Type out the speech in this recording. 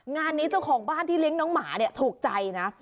งานนี้เจ้าของบ้านที่เลี้ยงน้องหมาเนี่ยถูกใจนะ